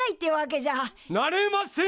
なれません！